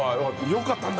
良かったんだ。